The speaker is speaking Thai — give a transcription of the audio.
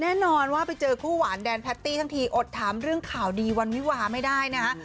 แน่นอนว่าไปเจอคู่หวานแดนแพตตี้ทั้งทีอดถามเรื่องข่าวดีวันวิวาไม่ได้นะฮะ